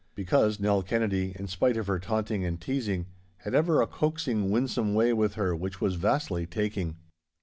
Because Nell Kennedy, in spite of her taunting and teasing, had ever a coaxing, winsome way with her which was vastly taking.